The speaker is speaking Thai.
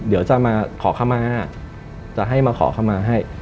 เดี๋ยวจะมาขอขมาจะให้มาขอเข้ามาให้